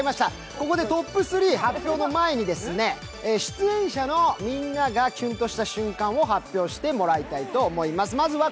ここでトップ３発表の前に出演者のみんながキュンとした瞬間を発表してもらいたいと思います。